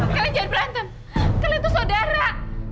kalian jangan berantem kalian tuh saudara